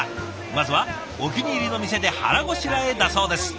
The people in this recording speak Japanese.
まずはお気に入りの店で腹ごしらえだそうです。